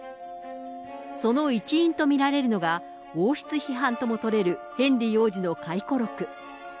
その一因と見られるのが、王室批判とも取れるヘンリー王子の回顧録。